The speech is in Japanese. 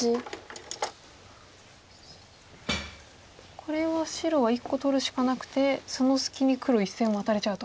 これは白は１個取るしかなくてその隙に黒１線ワタれちゃうと。